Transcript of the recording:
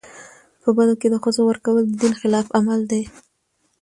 په بدو کي د ښځو ورکول د دین خلاف عمل دی.